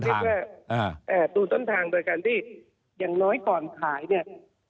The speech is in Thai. เรียกว่าดูต้นทางโดยการที่อย่างน้อยก่อนขายเนี่ย